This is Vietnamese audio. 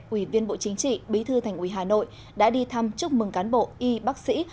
ủy viên bộ chính trị bí thư thành ủy hà nội đã đi thăm chúc mừng cán bộ y bác sĩ